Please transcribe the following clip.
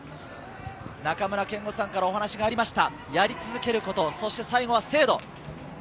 中村憲剛さんからお話がありました、やり続けること、そして最後は精度。